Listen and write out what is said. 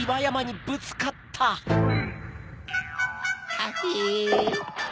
ハヒ。